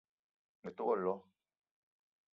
Me te wo lo